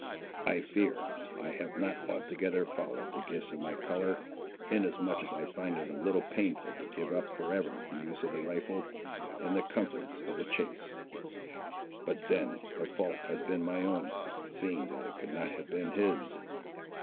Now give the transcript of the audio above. I fear, I have not altogether followed the gifts of my colour, inasmuch as I find it a little painful to give up for ever the use of the rifle, and the comforts of the chase. But then the fault has been my own, seeing that it could not have been His.